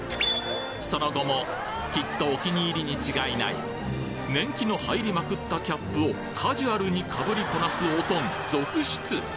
その後もきっとお気に入りに違いない年期の入りまくったキャップをカジュアルに被りこなすオトン続出！